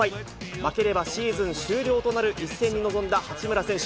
負ければシーズン終了となる一戦に臨んだ八村選手。